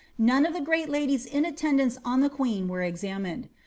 None of the great ladies in attend ance on the queen were examined.